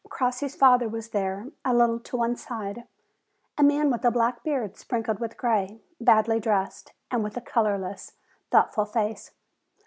Crossi's father was there, a little to one side : a man with a black beard sprinkled with gray, badly dressed, and with a colorless, thought ful face.